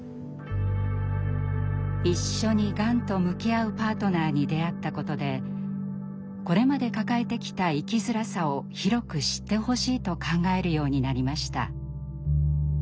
一緒にがんと向き合うパートナーに出会ったことでこれまで抱えてきた「生きづらさ」を広く知ってほしいと考えるようになりました。